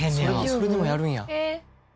それでもやるんや。